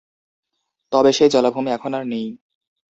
তবে সেই জলাভূমি এখন আর নেই।